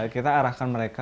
kita arahkan mereka